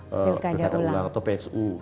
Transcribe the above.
pilkada ulang atau psu gitu